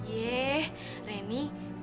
yeeh reni kita kan salah